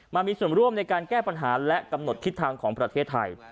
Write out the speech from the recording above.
มามีส่วนร่วมในการแก้ปัญหาและกำหนดทิศทางของประเทศไทย